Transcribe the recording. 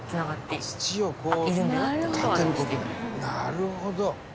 「なるほど！」